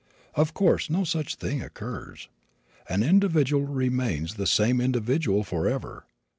Of course no such thing occurs. An individual remains the same individual forever.